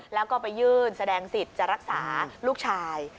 แล้วก็ไปยื่นแสดงสิทธิ์จะรักษาลูกชาย